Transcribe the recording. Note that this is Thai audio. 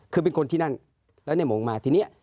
คือเป็นคนที่นั่นแล้วในหมงมาทีนี้